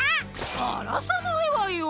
あらさないわよ！